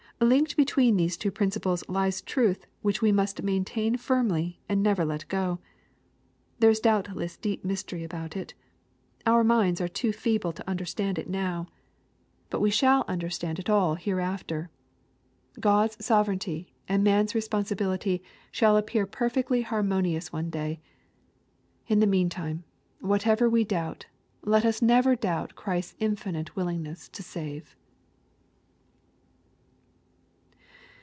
Linked between these two principles lies truth which we must maintain firmly, and never let go. There is doubtless deep mystery about it. Our minds are too feeble to underatand it now. But we 142 EXPOSITORY THOUGHTS. shall understand it all hereafter. God's sovereignty and man's responsibility shall appear perfectly harmonious one day. In the meantime, whatever we doubt, let us never doubt Christ's infinite willingness to save.